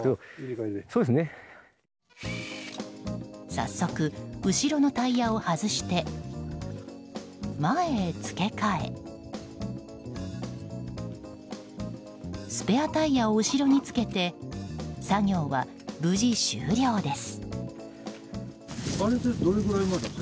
早速、後ろのタイヤを外して前へ付け替えスペアタイヤを後ろに付けて作業は無事終了です。